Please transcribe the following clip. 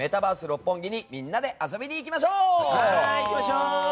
六本木にみんなで遊びに行きましょう。